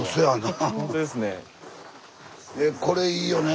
えこれいいよね